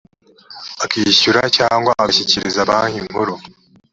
akishyura cyangwa agashyikiriza banki nkuru